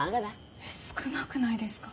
えっ少なくないですか？